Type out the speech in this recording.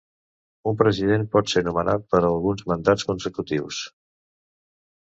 Un president pot ser nomenat per a alguns mandats consecutius.